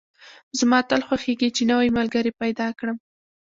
زما تل خوښېږي چې نوی ملګري پیدا کدم